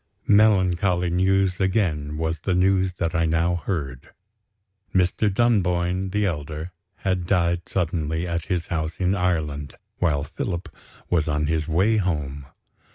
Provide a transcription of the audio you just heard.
Melancholy news, again, was the news that I now heard. Mr. Dunboyne the elder had died suddenly, at his house in Ireland, while Philip was on his way home.